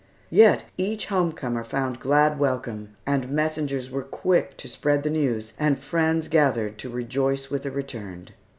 Yet each home comer found glad welcome, and messengers were quick to spread the news, and friends gathered to rejoice with the returned.